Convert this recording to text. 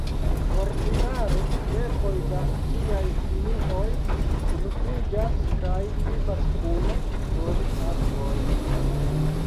Ordinare dekoj da tiaj simioj grupiĝas kaj vivas kune sur arboj.